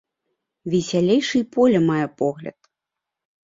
Весялейшы й поле мае погляд.